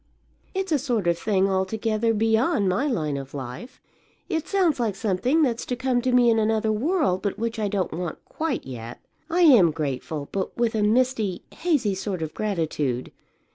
It's a sort of thing altogether beyond my line of life. It sounds like something that's to come to me in another world, but which I don't want quite yet. I am grateful, but with a misty, mazy sort of gratitude.